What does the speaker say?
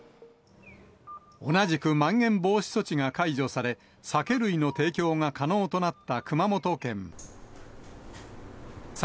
同じくまん延防止措置が解除され、酒類の提供が可能となった熊本県。